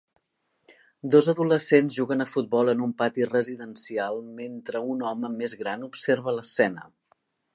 Dos adolescents juguen a futbol en un pati residencial mentre un home més gran observa l'escena.